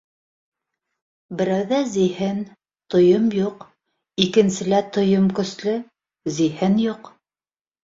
Берәүҙә зиһен - тойом юҡ: икенселә тойом көслө - зиһен юҡ.